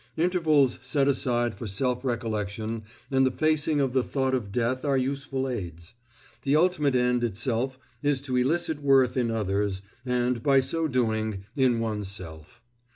Intervals set aside for self recollection and the facing of the thought of death are useful aids. The ultimate end itself is to elicit worth in others, and, by so doing, in one's self.